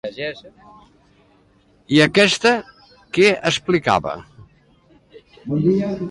I aquesta què explicava?